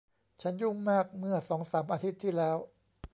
ฉันยุ่งมากเมื่อสองสามอาทิตย์ที่แล้ว